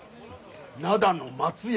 灘の松屋。